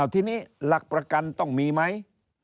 ทีนี้หลักประกันต้องมีไหม